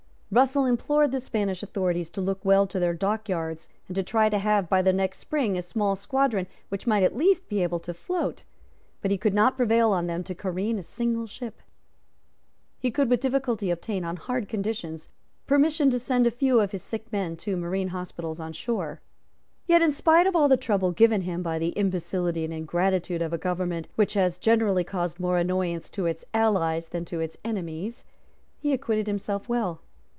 Russell implored the Spanish authorities to look well to their dockyards, and to try to have, by the next spring, a small squadron which might at least be able to float; but he could not prevail on them to careen a single ship. He could with difficulty obtain, on hard conditions, permission to send a few of his sick men to marine hospitals on shore. Yet, in spite of all the trouble given him by the imbecility and ingratitude of a government which has generally caused more annoyance to its allies than to its enemies, he acquitted himself well.